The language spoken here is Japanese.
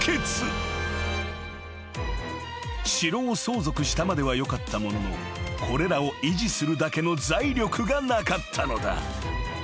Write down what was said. ［城を相続したまではよかったもののこれらを維持するだけの財力がなかったのだ］